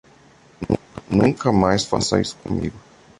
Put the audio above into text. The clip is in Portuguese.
Nunca mais faça isso comigo.